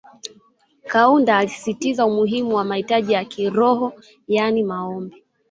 Kaunda alisisitiza umuhimu wa mahitaji ya kiroho yani Maombi